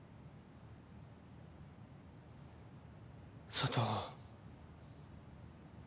佐都。